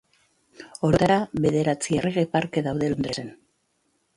Orotara, bederatzi Errege Parke daude Londresen.